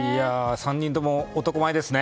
３人とも、男前ですね！